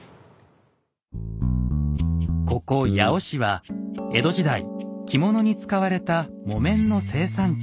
ここ八尾市は江戸時代着物に使われた木綿の生産地。